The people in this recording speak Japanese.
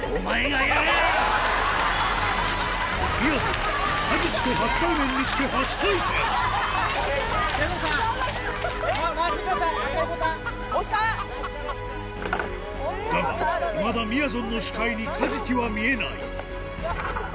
みやぞんだがいまだみやぞんの視界にカジキは見えない